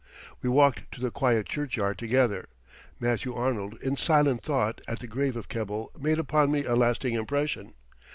We walked to the quiet churchyard together. Matthew Arnold in silent thought at the grave of Keble made upon me a lasting impression.